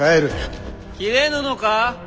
斬れぬのか？